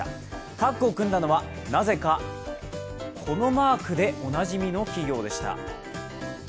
タッグを組んだのはなぜかこのマークでおなじみの企業でした。